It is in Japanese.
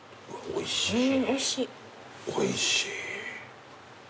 おいしい。